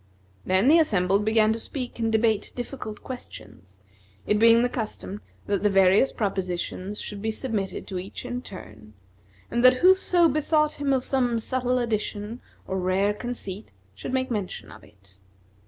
Then the assembly began to speak and debate difficult questions, it being the custom that the various propositions should be submitted to each in turn, and that whoso bethought him of some subtle addition or rare conceit, should make mention of it.